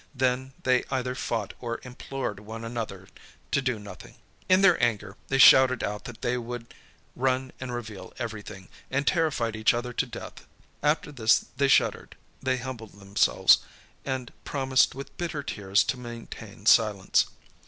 Then, they either fought or implored one another to do nothing. In their anger, they shouted out that they would run and reveal everything, and terrified each other to death. After this they shuddered, they humbled themselves, and promised with bitter tears to maintain silence.